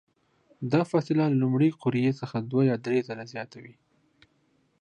دا فاصله له لومړۍ قوریې څخه دوه یا درې ځلې زیاته وي.